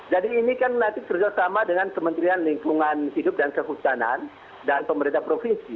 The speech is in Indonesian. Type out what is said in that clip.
jadi ini kan nanti kerjasama dengan kementerian lingkungan hidup dan kehutanan dan pemerintah provinsi